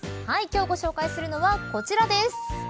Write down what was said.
今日ご紹介するのはこちらです。